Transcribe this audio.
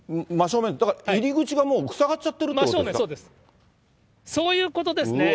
真正面、だから入り口がもう、塞がっちゃってるということです